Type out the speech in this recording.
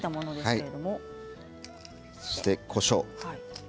そしてこしょう。